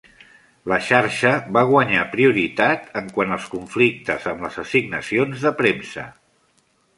La xarxa va guanyar prioritat en quant als conflictes amb les assignacions de premsa.